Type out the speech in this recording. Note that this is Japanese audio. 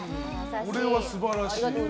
これは素晴らしい。